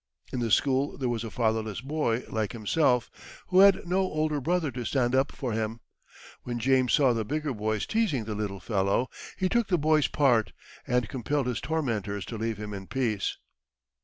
In the school there was a fatherless boy like himself, who had no older brother to stand up for him. When James saw the bigger boys teasing the little fellow, he took the boy's part, and compelled his tormentors to leave him in peace.